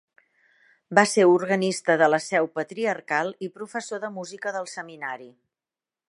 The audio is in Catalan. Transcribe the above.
Va ser organista de la seu patriarcal i professor de música del Seminari.